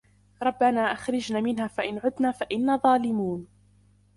ربنا أخرجنا منها فإن عدنا فإنا ظالمون